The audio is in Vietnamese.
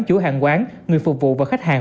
chủ hàng quán người phục vụ và khách hàng